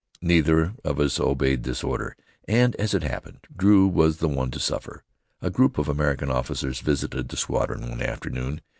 Neither of us obeyed this order, and, as it happened, Drew was the one to suffer. A group of American officers visited the squadron one afternoon.